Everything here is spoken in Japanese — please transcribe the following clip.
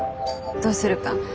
どうするか。